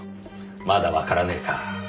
まだわからねえか。